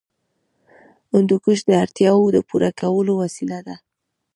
هندوکش د اړتیاوو د پوره کولو وسیله ده.